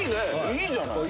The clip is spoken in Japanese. いいじゃない。